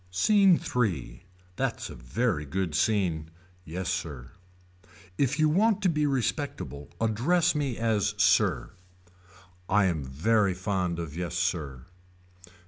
SCENE III. That's a very good scene. Yes sir. If you want to be respectable address me as sir. I am very fond of yes sir.